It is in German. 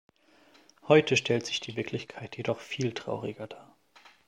Heute stellt sich die Wirklichkeit jedoch viel trauriger dar.